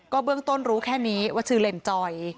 เบื้องต้นรู้แค่นี้ว่าชื่อเล่นจอย